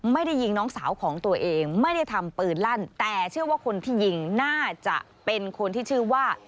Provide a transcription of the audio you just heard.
ไม่ได้ยิงน้องสาวของตัวเองไม่ได้ทำปืนลั่นแต่เชื่อว่าคนที่ยิงน่าจะเป็นคนที่ชื่อว่า